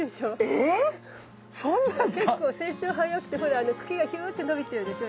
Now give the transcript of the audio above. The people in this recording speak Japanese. えっそうなんすか⁉結構成長早くてほらあの茎がヒューッて伸びてるでしょ。